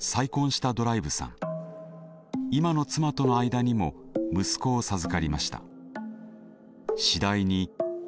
今の妻との間にも息子を授かりました。